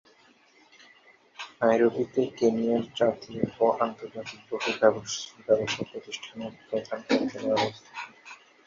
নাইরোবিতে কেনিয়ার জাতীয় ও আন্তর্জাতিক বহু ব্যবসা প্রতিষ্ঠানের প্রধান কার্যালয় অবস্থিত।